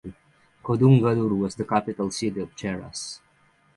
Kodungallur was the capital city of Cheras.